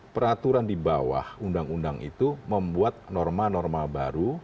peraturan di bawah undang undang itu membuat norma norma baru